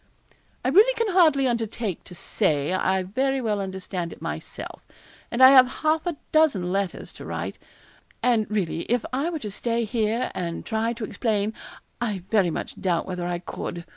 'I really can hardly undertake to say I very well understand it myself, and I have half a dozen letters to write; and really if I were to stay here and try to explain, I very much doubt whether I could.